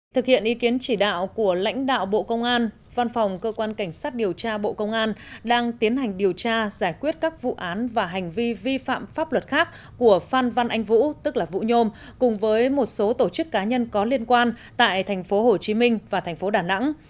thực hiện ý kiến chỉ đạo của lãnh đạo bộ công an văn phòng cơ quan cảnh sát điều tra bộ công an đang tiến hành điều tra giải quyết các vụ án và hành vi vi phạm pháp luật khác của phan văn anh vũ tức là vũ nhôm cùng với một số tổ chức cá nhân có liên quan tại tp hcm và thành phố đà nẵng